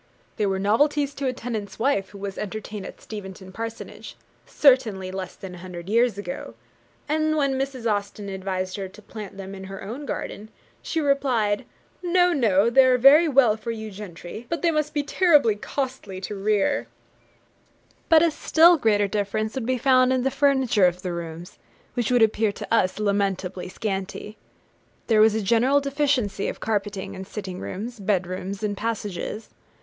They were novelties to a tenant's wife who was entertained at Steventon Parsonage, certainly less than a hundred years ago; and when Mrs. Austen advised her to plant them in her own garden, she replied, 'No, no; they are very well for you gentry, but they must be terribly costly to rear.' But a still greater difference would be found in the furniture of the rooms, which would appear to us lamentably scanty. There was a general deficiency of carpeting in sitting rooms, bed rooms, and passages.